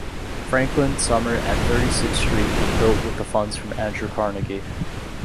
Franklin, Sumner, and Thirty-Sixth Street were built with funds from Andrew Carnegie.